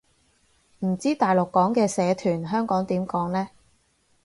唔知大陸講嘅社團，香港點講呢